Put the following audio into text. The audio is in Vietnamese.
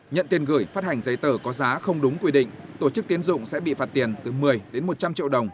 nhận tiền gửi phát hành giấy tờ có giá không đúng quy định tổ chức tiến dụng sẽ bị phạt tiền từ một mươi đến một trăm linh triệu đồng